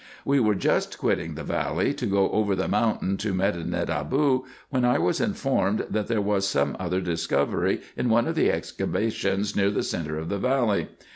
We were just quitting the valley, to go over the mountain to Medinet Abou, when I was informed, that there was some other discovery in one of the excavations near the centre of the valley.